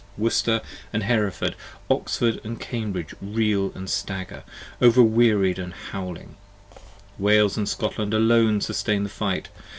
Worcester & Hereford, Oxford & Cambridge reel & stagger, Overwearied with howling: Wales & Scotland alone sustain the fight!